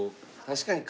確かに。